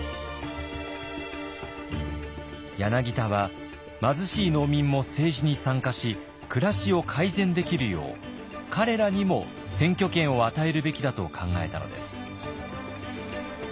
柳田は貧しい農民も政治に参加し暮らしを改善できるよう彼らにも選挙権を与えるべきだと考えたのです。